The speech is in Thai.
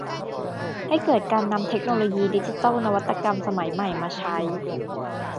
ให้เกิดการนำเทคโนโลยีดิจิทัลนวัตกรรมสมัยใหม่มาใช้